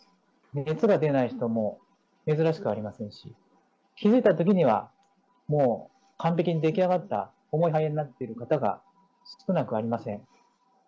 熱が出ない人も珍しくありませんし、気付いたときには、もう完璧に出来上がった、重い肺炎になっている方が少なくありません。